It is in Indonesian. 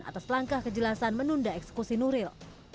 atas langkah kejelasan menunda eksekusi nuril